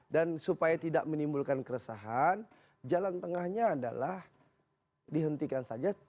dan supaya tidak menimbulkan keresahan jalan tengahnya adalah dihentikan saja